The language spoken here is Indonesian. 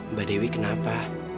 mbak dewi kenapa